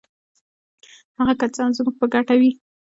هغه که څه هم زموږ په ګټه وي.